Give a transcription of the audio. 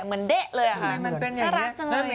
เหมือนเดะเลยอะค่ะ